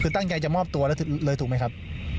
คือตั้งใจจะมอบตัวเลยถูกไหมครับ